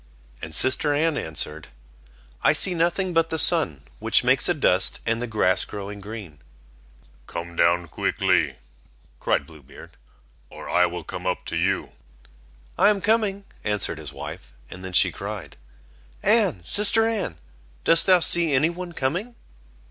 And sister Anne answered: "I see nothing but the sun, which makes a dust, and the grass growing green." "Come down quickly," cried Blue Beard, "or I will come up to you." "I am coming," answered his wife; and then she cried: "Anne, sister Anne, dost thou see any one coming?"